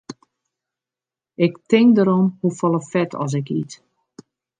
Ik tink derom hoefolle fet as ik yt.